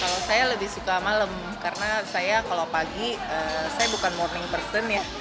kalau saya lebih suka malam karena saya kalau pagi saya bukan morning person ya